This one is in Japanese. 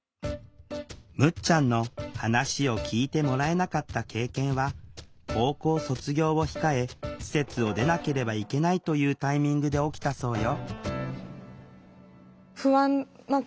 むっちゃんの話を聴いてもらえなかった経験は高校卒業を控え施設を出なければいけないというタイミングで起きたそうよ